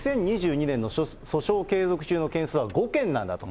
２０２２年の訴訟継続中の件数は５件なんだと。